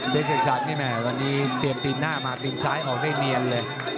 เสกสรรนี่แม่วันนี้เตรียมตีนหน้ามาตีนซ้ายออกได้เนียนเลย